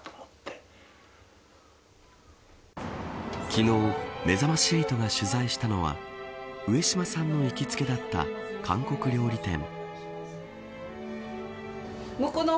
昨日めざまし８が取材したのは上島さんの行きつけだった韓国料理店。